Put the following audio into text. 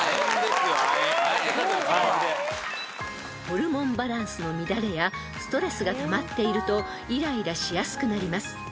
［ホルモンバランスの乱れやストレスがたまっているとイライラしやすくなります］